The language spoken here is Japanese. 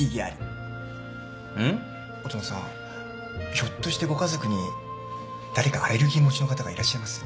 ひょっとしてご家族に誰かアレルギー持ちの方がいらっしゃいます？